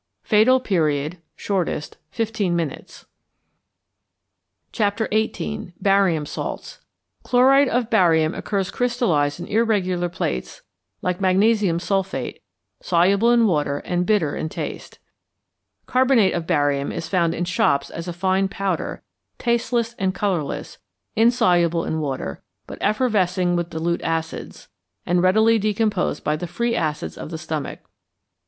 Fatal Period (Shortest). Fifteen minutes. XVIII. BARIUM SALTS =Chloride of Barium= occurs crystallized in irregular plates, like magnesium sulphate, soluble in water and bitter in taste. =Carbonate of Barium= is found in shops as a fine powder, tasteless and colourless, insoluble in water, but effervescing with dilute acids, and readily decomposed by the free acids of the stomach.